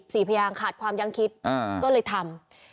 พยางขาดความยังคิดอ่าก็เลยทำ